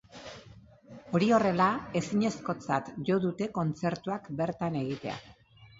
Hori horrela, ezinezkotzat jo dute kontzertuak bertan egitea.